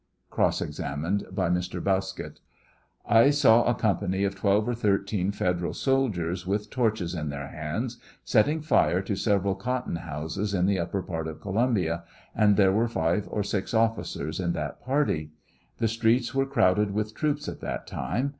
Cross examined by Mr. Bauskett : I saw a company of twelve or thirteen Federal sol diers, with torches in ^their hands, setting fire to several cotton houses in the upper part of Columbia, and there were five or six officers in that party. The streets were crowded with troops at that time.